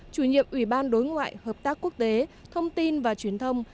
chủ nhiệm ủy ban đối ngoại hợp tác quốc tế thông tin và truyền thông